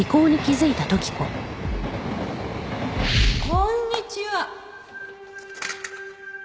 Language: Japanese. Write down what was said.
こんにちは。